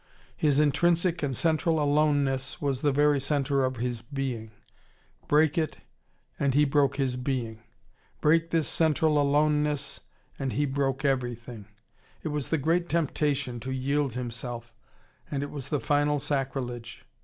His intrinsic and central aloneness was the very centre of his being. Break it, and he broke his being. Break this central aloneness, and he broke everything. It was the great temptation, to yield himself: and it was the final sacrilege.